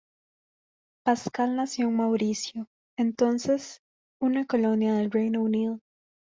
Pascal nació en Mauricio, entonces una colonia del Reino Unido.